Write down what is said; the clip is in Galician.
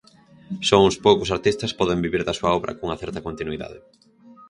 Só uns poucos artistas poden vivir da súa obra cunha certa continuidade.